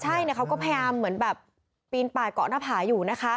ใช่เขาก็พยายามเหมือนแบบปีนป่ายเกาะหน้าผาอยู่นะคะ